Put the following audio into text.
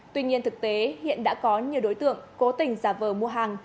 tuy nhiên thực tế hiện đã có nhiều đối tượng cố tình giả vờ mua hàng